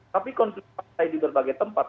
tapi konsumsi partai di berbagai tempat